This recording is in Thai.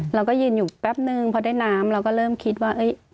เราก็ยืนอยู่แป๊บนึงพอได้น้ำเราก็เริ่มคิดว่า